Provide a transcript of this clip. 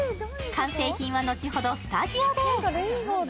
完成品は後ほどスタジオで。